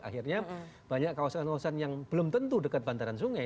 akhirnya banyak kawasan kawasan yang belum tentu dekat bantaran sungai